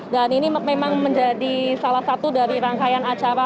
dan ini memang menjadi salah satu dari rangkaian acara